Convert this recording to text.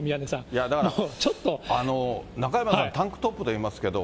いやだから、中山さんタンクトップでいますけど、